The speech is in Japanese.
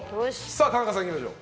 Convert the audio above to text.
田中さん、いきましょう。